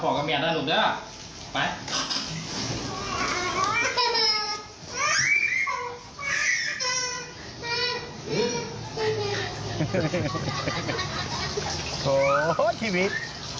โโธ่ชีวิต